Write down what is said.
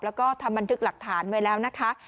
แล้วก็ทำบันทึกหลักฐานไว้แล้วนะคะ